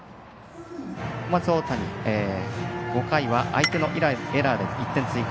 小松大谷、５回は相手のエラーで１点追加。